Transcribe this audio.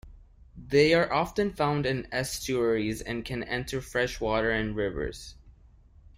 They are often found in estuaries and can enter fresh water in rivers.